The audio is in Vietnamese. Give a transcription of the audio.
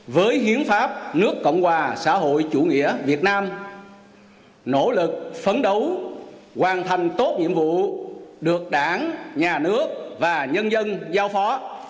với hiến pháp nước cộng hòa xã hội chủ nghĩa việt nam nỗ lực phấn đấu hoàn thành tốt nhiệm vụ được đảng nhà nước và nhân dân giao phó